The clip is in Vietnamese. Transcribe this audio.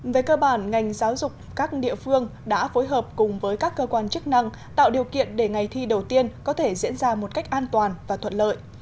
về cơ bản ngành giáo dục các địa phương đã phối hợp cùng với các cơ quan chức năng tạo điều kiện để ngày thi đầu tiên có thể diễn ra một cách an toàn và thuận lợi